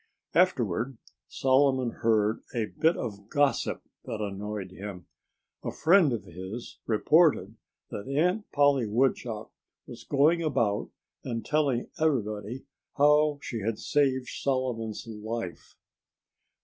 Afterward, Solomon heard a bit of gossip that annoyed him. A friend of his reported that Aunt Polly Woodchuck was going about and telling everybody how she had saved Solomon's life.